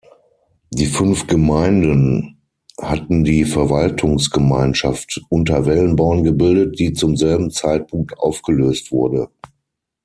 Die fünf Gemeinden hatten die Verwaltungsgemeinschaft Unterwellenborn gebildet, die zum selben Zeitpunkt aufgelöst wurde.